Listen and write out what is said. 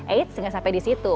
eits nggak sampai di situ